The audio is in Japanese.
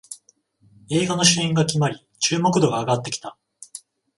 映画の主演が決まり注目度が上がってきた